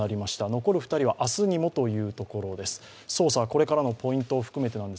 残る２人は明日にもというところです。